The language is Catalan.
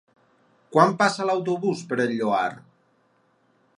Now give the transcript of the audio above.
Quan passa l'autobús per el Lloar?